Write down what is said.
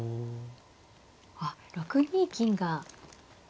あっ６二金が。